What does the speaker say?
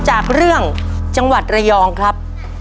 จากเรื่องจังหวัดระยองครับ